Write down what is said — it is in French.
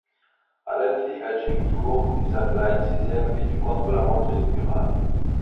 À l'Healthy Ageing Tour, Lisa Klein sixième est du contre-la-montre inaugural.